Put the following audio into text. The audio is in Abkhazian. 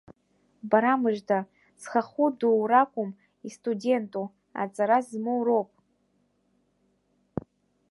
Бара мыжда, зхахәы дуу ракәым истуденту, аҵара змоу роуп.